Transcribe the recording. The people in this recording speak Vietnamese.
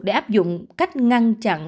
để áp dụng cách ngăn chặn